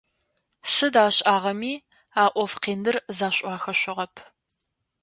Сыд ашӀагъэми а Ӏоф къиныр зэшӀуахышъугъэп.